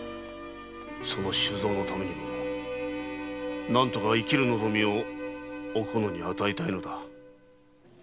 その周蔵のためにも何とか生きる望みをおこのに与えたいのだ。